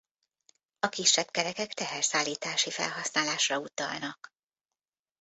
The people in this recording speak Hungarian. A kisebb kerekek teherszállítási felhasználásra utalnak.